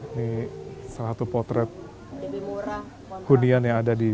ini salah satu potret hunian yang ada di